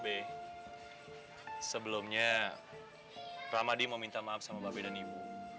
be sebelumnya ramadhi mau minta maaf sama mbak be dan ibu